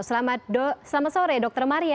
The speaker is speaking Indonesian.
selamat sore dr maria